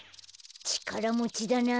ちからもちだな。